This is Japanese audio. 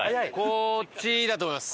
こっちだと思います。